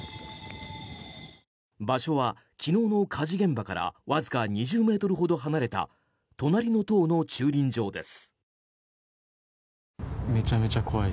場所は昨日の火事現場からわずか２０ｍほど離れた隣の棟の駐輪場です。